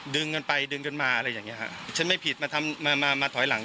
ดึงกันไปดึงกันมาอะไรอย่างเงี้ฮะฉันไม่ผิดมาทำมามาถอยหลัง